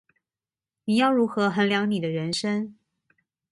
你要如何衡量你的人生